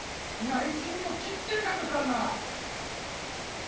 内申にもきっちり書いとくからな！